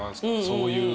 そういう。